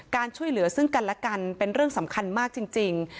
ช่วยเหลือซึ่งกันและกันเป็นเรื่องสำคัญมากจริง